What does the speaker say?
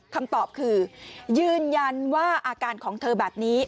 คำตอบคือยืนยันว่าอาการของเธอแบบนี้